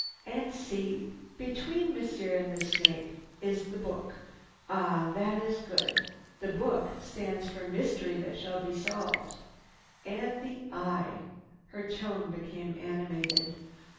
"And see! Between Monsieur and the snake is the Book. Ah! That is good! The Book stands for mystery that shall be solved. And the Eye!" Her tone became animated.